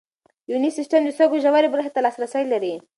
یوني سیسټم د سږو ژورې برخې ته لاسرسی لري.